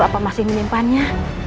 apa masih menimpannya